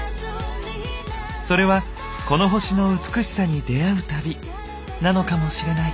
それは「このほしの美しさに出会う旅」なのかもしれない。